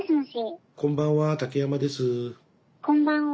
こんばんは。